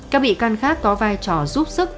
các bị can khác có vai trò giúp sức